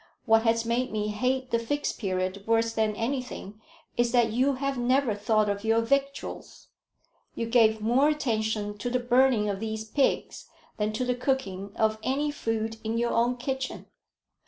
What has made me hate the Fixed Period worse than anything is, that you have never thought of your victuals. You gave more attention to the burning of these pigs than to the cooking of any food in your own kitchen."